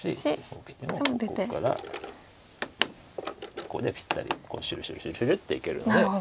こうきてもここからここでぴったりシュルシュルシュルシュルっていけるので。